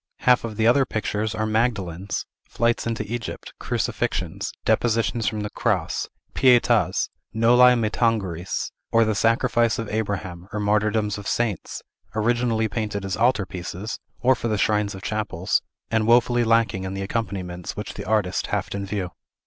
Half of the other pictures are Magdalens, Flights into Egypt, Crucifixions, Depositions from the Cross, Pietas, Noli me tangeres, or the Sacrifice of Abraham, or martyrdoms of saints, originally painted as altar pieces, or for the shrines of chapels, and woefully lacking the accompaniments which the artist haft in view.